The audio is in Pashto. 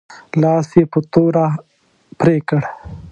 لاس یې په توره پرې کړ.